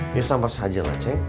bisa mas hajela ceng